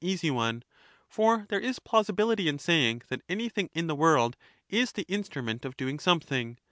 489 easy one ; for there is plausibility in saying that anything Statesman, in the world is the instrument of doing something.